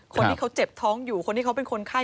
คนที่เขาเจ็บท้องอยู่คนที่เขาเป็นคนไข้